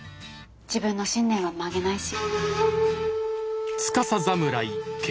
自分の信念は曲げないし。